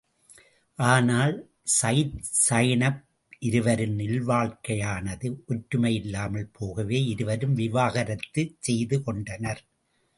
ஆனால் Zaid Zainab இருவரின் இல்வாழ்க்கையானது ஒற்றுமை இல்லாமல் போகவே, இருவரும் விவாகரத்துச் செய்து கொண்டனர்.